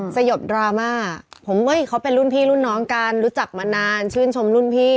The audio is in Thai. สยบดราม่าผมเขาเป็นรุ่นพี่รุ่นน้องกันรู้จักมานานชื่นชมรุ่นพี่